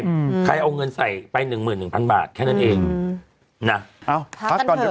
อืมใครเอาเงินใส่ไปหนึ่งหมื่นหนึ่งพันบาทแค่นั้นเองอืมน่ะเอ้าพักก่อนเดี๋ยว